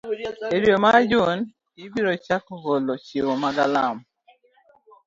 E dwe mar Jun, ibiro chak golo chiwo mag lamo